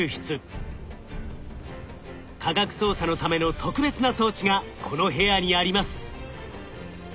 科学捜査のための特別な装置がこの部屋にあります。